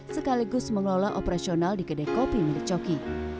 sekaligus mengelola operasional di kedai kopi milik coki